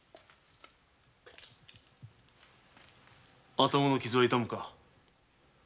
頭の傷は痛むか？